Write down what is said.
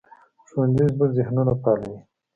ښوونځی زموږ ذهنونه فعالوي